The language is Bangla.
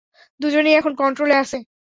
দুজনেই এখন কন্ট্রোলে আছে।